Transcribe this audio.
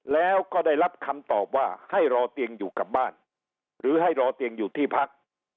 แล้วก็ได้รับคำตอบว่าให้รอเตียงอยู่กลับบ้านหรือให้รอเตียงอยู่ที่พัก